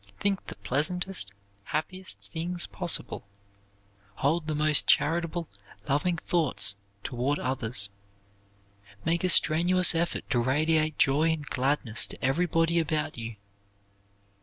Think the pleasantest, happiest things possible. Hold the most charitable, loving thoughts toward others. Make a strenuous effort to radiate joy and gladness to everybody about you.